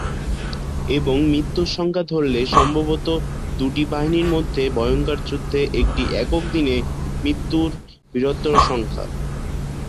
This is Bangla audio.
এবং মৃত্যুর সংখ্যা ধরলে সম্ভবত দুটি বাহিনী মধ্যে ভয়ঙ্কর যুদ্ধে একটি একক দিনে মৃত্যুর বৃহত্তম সংখ্যা।